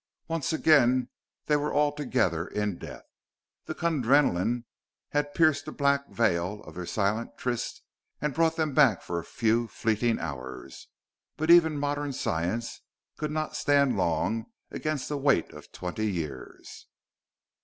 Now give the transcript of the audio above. Once again they were all together in death. The Kundrenaline had pierced the black veil of their silent tryst and brought them back for a few fleeting hours; but even modern science could not stand long against the weight of twenty years.